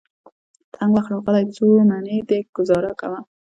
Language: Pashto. تنګ وخت راغلی. څوړ منی دی ګذاره کوه.